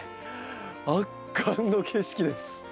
圧巻の景色です。